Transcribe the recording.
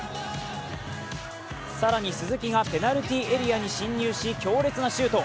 更に鈴木がペナルティーエリアに進入し強烈なシュート。